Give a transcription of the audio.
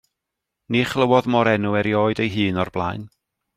Ni chlywodd mo'r enw erioed ei hun o'r blaen.